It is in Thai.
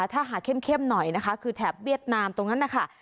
ถ้าหาเข้มหน่อยนะคะคือแถบเวียดนามตรงนั้นนะคะ